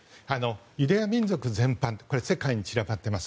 ユダヤ民族全般世界に散らばっている。